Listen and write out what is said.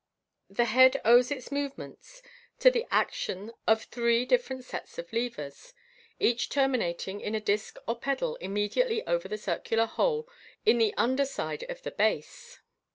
The head owes its movements to the action of three different sets of levers, each terminating in a disc or pedal im mediately over a circular hole in the under side of the base.